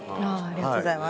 ありがとうございます。